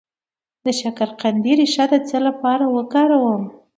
د شکرقندي ریښه د څه لپاره وکاروم؟